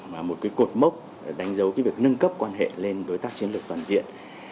một cột mốc đánh dấu việc nâng cấp quan hệ lên đối tác chiến lược toàn diện